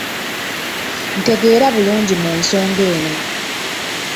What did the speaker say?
Ntegeera bulungi mu nsonga eno.